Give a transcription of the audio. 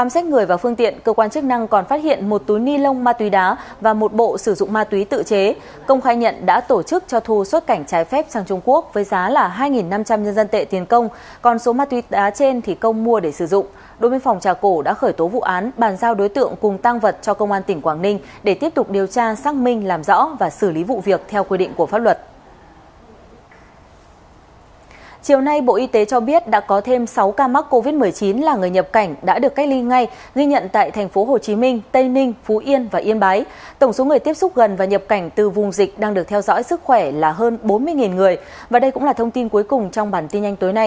xin kính chào tạm biệt và hẹn gặp lại